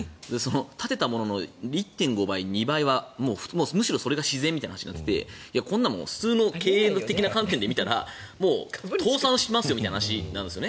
建てたものの１．５倍、２倍はむしろそれが自然みたいになっていてこんなの普通の経営的な観点で見たら倒産しますよみたいな話なんですよ。